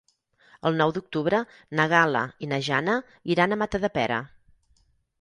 El nou d'octubre na Gal·la i na Jana iran a Matadepera.